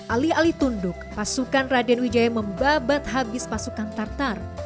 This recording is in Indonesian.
alih alih tunduk pasukan raden wijaya membabat habis pasukan tartar